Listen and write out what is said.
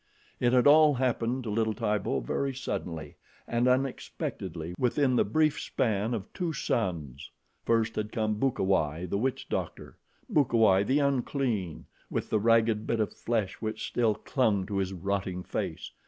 It had all happened to little Tibo very suddenly and unexpectedly within the brief span of two suns. First had come Bukawai, the witch doctor Bukawai, the unclean with the ragged bit of flesh which still clung to his rotting face.